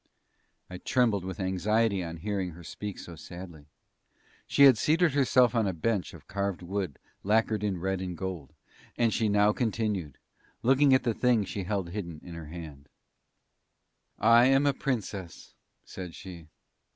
I trembled with anxiety on hearing her speak so sadly; she had seated herself on a bench of carved wood lacquered in red and gold, and she now continued, looking at the thing she held hidden in her hand: "I am a Princess," said she.